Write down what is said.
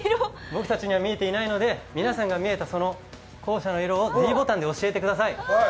僕たちには見えていないので皆さんが見えたその校舎の色をｄボタンで教えてください！